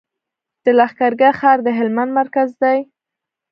د لښکرګاه ښار د هلمند مرکز دی